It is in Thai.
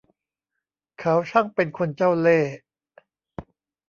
เขาช่างเป็นคนเจ้าเล่ห์